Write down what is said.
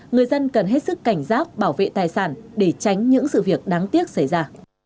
người dân cần hết sức cảnh giác bảo vệ tài sản để tránh những sự việc đáng tiếc xảy ra